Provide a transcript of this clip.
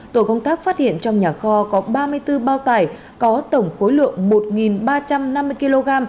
tổ công tác phát hiện trong nhà kho có ba mươi bốn bao tải có tổng khối lượng một ba trăm năm mươi kg